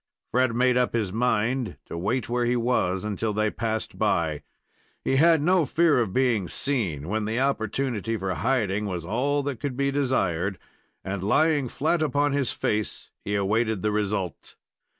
Fred made up his mind to wait where he was until they passed by. He had no fear of being seen, when the opportunity for hiding was all that could be desired, and, lying flat upon his face, he awaited the result.